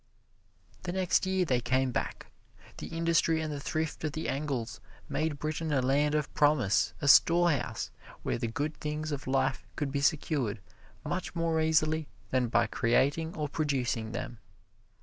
The next year they came back. The industry and the thrift of the Engles made Britain a land of promise, a storehouse where the good things of life could be secured much more easily than by creating or producing them.